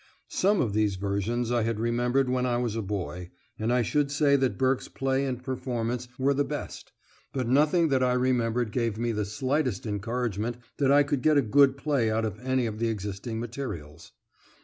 Some of these versions I had remembered when I was a boy, and I should say that Burke's play and performance were the best, but nothing that I remembered gave me the slightest encouragement that I could get a good play out of any of the existing materials.